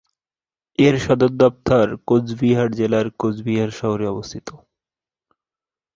এর সদর দফতর কোচবিহার জেলার কোচবিহার শহরে অবস্থিত।